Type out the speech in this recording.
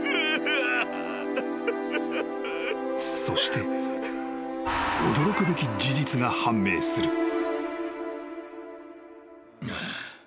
［そして驚くべき事実が判明する］